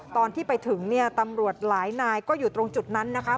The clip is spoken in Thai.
ตอนที่ไปถึงเนี่ยตำรวจหลายนายก็อยู่ตรงจุดนั้นนะคะ